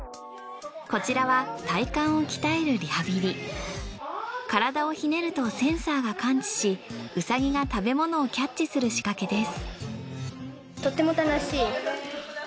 こちらは体をひねるとセンサーが感知しウサギが食べ物をキャッチする仕掛けです。